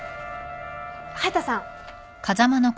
隼田さん。